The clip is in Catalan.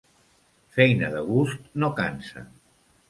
Feina de gust no cansa.